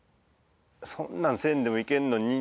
そんなんせんでもいけんのにって。